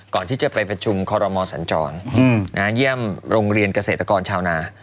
ก่อนที่จะไปประชุมคอรมอสัญจรเยี่ยมโรงเรียนเกษตรกรชาวนา